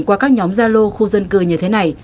qua các nhóm gia lô khu dân cư như thế này